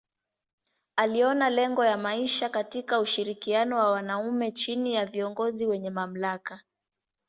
Aliona lengo ya maisha katika ushirikiano wa wanaume chini ya viongozi wenye mamlaka.